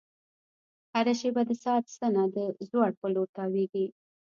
هره شېبه د ساعت ستنه د ځوړ په لور تاوېږي.